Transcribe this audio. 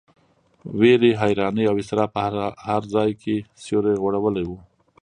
وېرې، حیرانۍ او اضطراب په هر ځای کې سیوری غوړولی و.